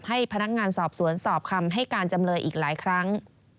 ให้พนักงานสอบสวนสอบคำให้การจำเลยอีกหลายครั้ง